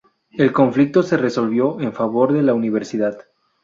El conflicto se resolvió en favor de la universidad.